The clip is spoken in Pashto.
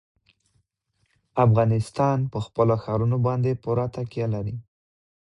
افغانستان په خپلو ښارونو باندې پوره تکیه لري.